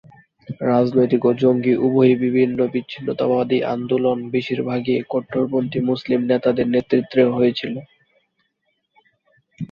রাজনৈতিক ও জঙ্গি উভয়ই বিভিন্ন বিচ্ছিন্নতাবাদী আন্দোলন বেশিরভাগই কট্টরপন্থী মুসলিম নেতাদের নেতৃত্বে হয়েছিল।